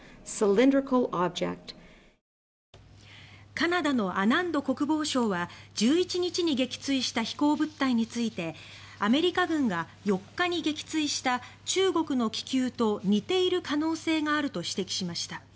カナダのアナンド国防相は１１日に撃墜した飛行物体についてアメリカ軍が４日に撃墜した中国の気球と似ている可能性があると指摘しました。